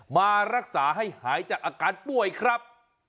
มารักษาให้หายจากอาการป่วยครับ